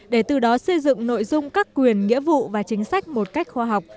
để từ đó xây dựng nội dung các quyền nghĩa vụ và chính sách một cách khoa học